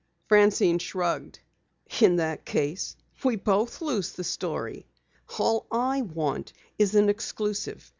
Francine shrugged. "In that case we both lose the story. All I want is an exclusive.